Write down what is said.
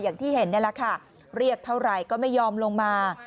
อย่างที่เห็นนี่แหละค่ะเรียกเท่าไหร่ก็ไม่ยอมลงมา